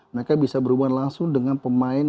mereka bisa berhubungan langsung dengan pemain